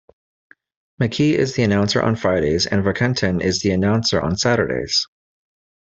McKee is the announcer on Fridays and Warkentin is the announcer on Saturdays.